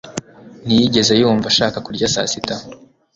Ntiyigeze yumva ashaka kurya saa sita